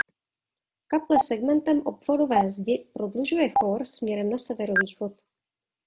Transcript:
Kaple segmentem obvodové zdi prodlužuje chór směrem na severovýchod.